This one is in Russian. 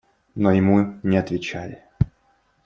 Но ему не отвечали.